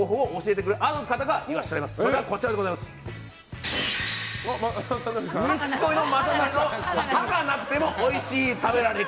それが、錦鯉の雅紀の歯がなくてもおいし食べ方。